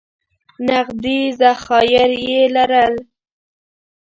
نغدي ذخایر یې لرل.